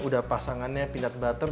udah pasangannya peanut butter